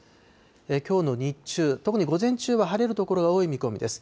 きょうの日中、特に午前中は晴れる所が多い見込みです。